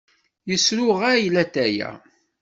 Yesruɣay latay-a.